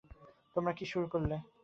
তোমরা কী শুরু করলে?